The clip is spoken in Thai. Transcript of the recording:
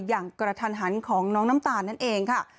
อย่างกระทันหันของน้องน้ำตาลนั่นเองค่ะ